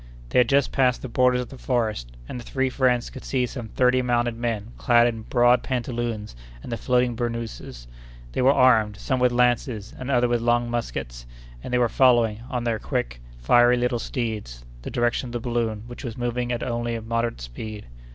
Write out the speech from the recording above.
They had just passed the borders of the forest, and the three friends could see some thirty mounted men clad in broad pantaloons and the floating bournouses. They were armed, some with lances, and others with long muskets, and they were following, on their quick, fiery little steeds, the direction of the balloon, which was moving at only moderate speed.